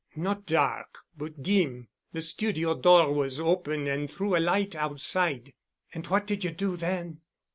"Not dark, but dim. The studio door was open and threw a light outside." "And what did you do then?"